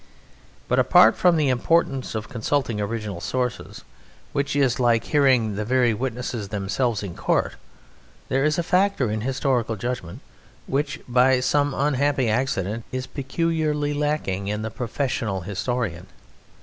But apart from the importance of consulting original sources which is like hearing the very witnesses themselves in court there is a factor in historical judgment which by some unhappy accident is peculiarly lacking in the professional historian.